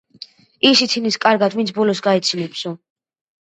„ის იცინის კარგად, ვინც ბოლოს გაიცინებსო.“